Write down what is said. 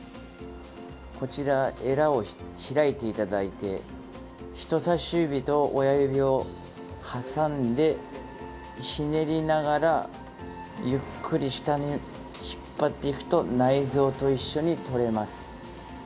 こちら、エラを開いていただいて人さし指と親指を挟んでひねりながらゆっくり下に引っ張っていくと内臓と一緒に取れます。